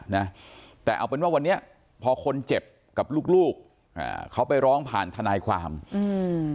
นะแต่เอาเป็นว่าวันนี้พอคนเจ็บกับลูกลูกอ่าเขาไปร้องผ่านทนายความอืม